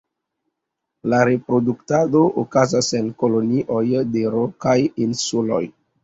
La reproduktado okazas en kolonioj de rokaj insuloj.